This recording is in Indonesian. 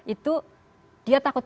itu dia takut mati juga